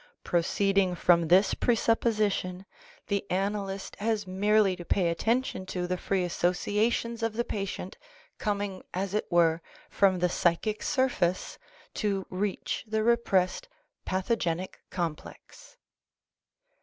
Proceeding from this presupposition, the analyst has merely to pay attention to the free associations of the patient coming as it were from the psychic surface to reach the repressed pathogenic complex.